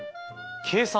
計算？